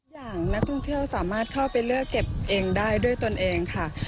อย่างนักท่องเที่ยวสามารถเข้าไปเลือกเก็บเองได้ด้วยตนเองค่ะ